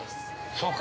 ◆そうか。